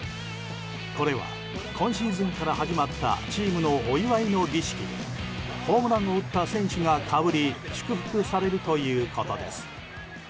これは、今シーズンから始まったチームのお祝いの儀式でホームランを打った選手がかぶり祝福されるということです。